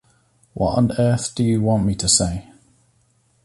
What on earth do you want me to say?